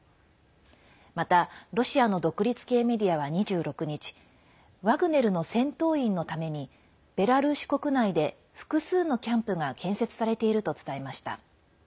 また、ロシアの独立系メディアは２６日ワグネルの戦闘員のためにベラルーシ国内で複数のキャンプが建設されていると伝えました。